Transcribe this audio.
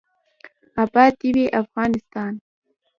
اباد دې وي افغانستان.